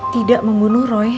tidak membunuh roy